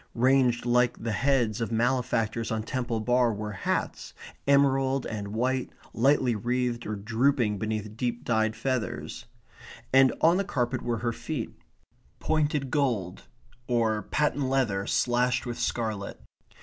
Ranged like the heads of malefactors on Temple Bar were hats emerald and white, lightly wreathed or drooping beneath deep dyed feathers. And on the carpet were her feet pointed gold, or patent leather slashed with scarlet.